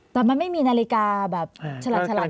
แต่มันไม่มีนาฬิกาแบบฉลาด